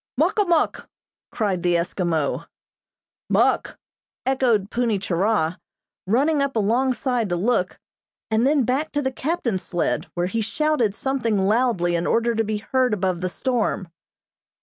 "Muk a muk!" cried the Eskimo. "Muk!" echoed Punni Churah, running up alongside to look, and then back to the captain's sled, where he shouted something loudly in order to be heard above the storm.